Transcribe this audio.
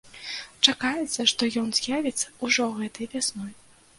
Чакаецца, што ён з'явіцца ўжо гэтай вясной.